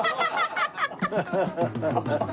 アハハハハ！